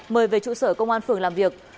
mời về trụ sở công an phường làm việc